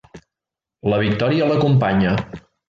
La victòria l’acompanya.